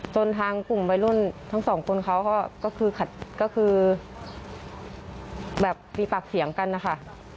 จนทางกลุ่มวัยรุ่นทั้งสองคนเขาก็คือแบบมีปากเสียงกันนะคะ